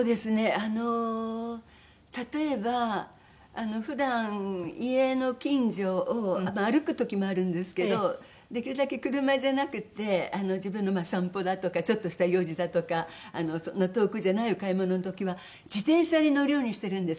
あの例えば普段家の近所をまあ歩く時もあるんですけどできるだけ車じゃなくて自分のまあ散歩だとかちょっとした用事だとかそんな遠くじゃないお買い物の時は自転車に乗るようにしてるんです。